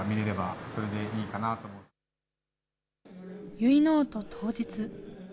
結いのおと当日。